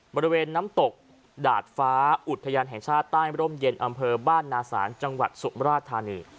บริเวณน้ำตกดาดฟ้าอุทยานแห่งชาติใต้ร่มเย็นอำเภอบ้านนาศาลจังหวัดสุมราชธานี